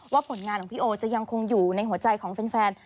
ผลงานของพี่โอจะยังคงอยู่ในหัวใจของแฟน